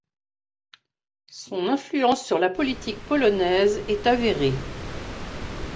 Son influence sur la politique polonaise est avérée.